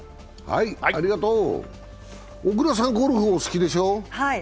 小椋さん、ゴルフお好きでしょう？